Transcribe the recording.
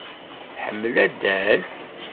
Tḥemmel addal?